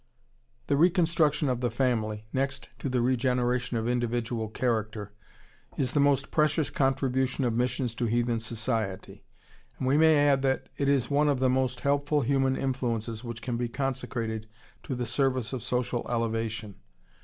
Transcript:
The reconstruction of the family, next to the regeneration of individual character, is the most precious contribution of missions to heathen society, and we may add that it is one of the most helpful human influences which can be consecrated to the service of social elevation.